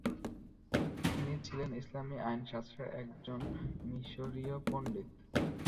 তিনি ছিলেন ইসলামী আইনশাস্ত্রের একজন মিশরীয় পণ্ডিত।